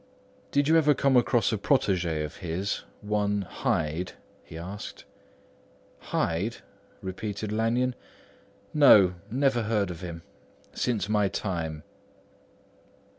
"Did you ever come across a protégé of his—one Hyde?" he asked. "Hyde?" repeated Lanyon. "No. Never heard of him. Since my time."